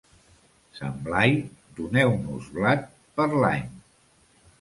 Sant Blai, doneu-nos blat per l'any.